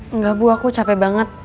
enggak bu aku capek banget